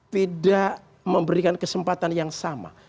tidak memberikan kesempatan yang sama